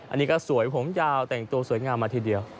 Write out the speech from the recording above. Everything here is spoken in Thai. อันนี้ก็สวยผมยาวแต่งตัวสวยงามมาทีเดียว